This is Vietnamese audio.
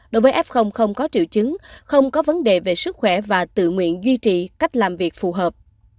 đối với f không có triệu chứng không có vấn đề về sức khỏe và tự nguyện duy trì cách làm việc phù hợp